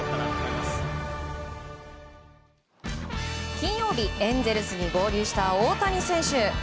金曜日エンゼルスに合流した大谷選手。